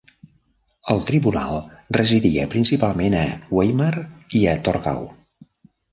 El tribunal residia principalment a Weimar i a Torgau.